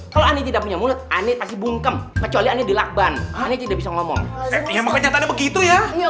kalau amil punya untuk aneta frustasi bungkem kowe dari lakban nah ini dia bisa ngomong begitu ya